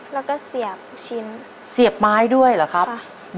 แล้วก็เสียบลูกชิ้นเสียบไม้ด้วยเหรอครับ